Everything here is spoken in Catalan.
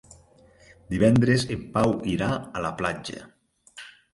Divendres en Pau irà a la platja.